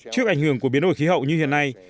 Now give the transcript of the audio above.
trước ảnh hưởng của biến đổi khí hậu như hiện nay